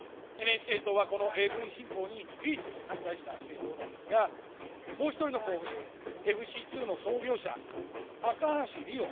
ＮＨＫ党は、このＡＶ新法に唯一反対した政党なんですが、もう１人の候補者、ＦＣ２の創業者・高橋理洋。